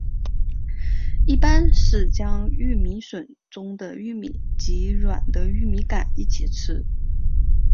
一般是将玉米笋中的玉米及软的玉米秆一起吃。